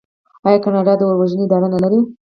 آیا کاناډا د اور وژنې اداره نلري؟